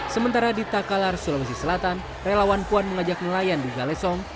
sementara di takalar sulawesi selatan relawan puan mengajak nelayan di galesong